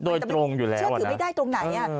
โดยตรงอยู่แล้วนะเชื่อถือไม่ได้ตรงไหนอ่ะ